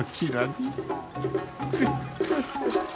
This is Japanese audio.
フフフッ。